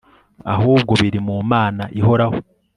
ahubwo biri mu Mana ihoraho